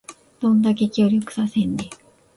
どんだけ協力させんねん